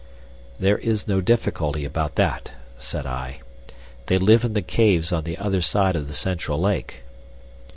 "There is no difficulty about that," said I. "They live in the caves on the other side of the central lake."